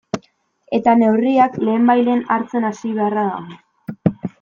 Eta neurriak lehenbailehen hartzen hasi beharra dago.